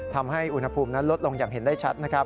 ทำให้อุณหภูมิลดลงอย่างเห็นได้ชัด